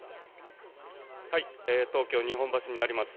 東京・日本橋にあります